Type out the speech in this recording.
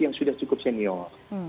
yang sudah cukup senior